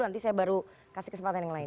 nanti saya baru kasih kesempatan yang lain